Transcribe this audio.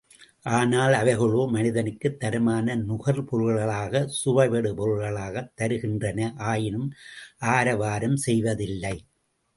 ஆனால் அவைகளோ மனிதனுக்குத் தரமான நுகர் பொருள்களாக, சுவைபடு பொருள்களாகத் தருகின்றன, ஆயினும் ஆரவாரம் செய்வதில்லை.